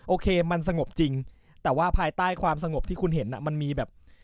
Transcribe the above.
โอเคมันสงบจริงแต่ว่าภายใต้ความสงบที่คุณเห็นมันมีแบบ